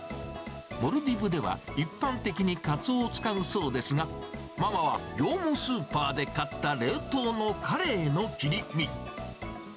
モルディブでは一般的にカツオを使うそうですが、ママは業務スーパーで買った冷凍のカレイの切り身。